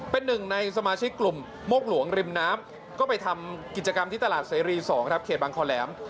เป็นหนึ่งในสมาชิกกลุ่มโมกหลวงริมน้ำก็ไปทำกิจกรรมที่ตลาดเสรี๒ครับเขตบางคอแหลม